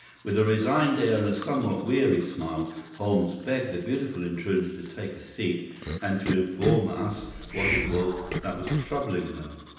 With a resigned air and a somewhat weary smile, Holmes begged the beautiful intruder to take a seat and to inform us what it was that was troubling her.